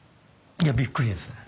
いやびっくりです。